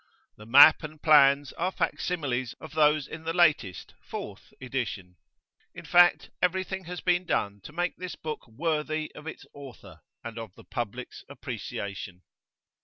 The map and plans are fac similies of those in the latest (fourth) edition. In fact, everything has been done to make this book worthy of its author and of the public's appreciation.